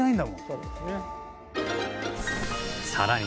そうですね。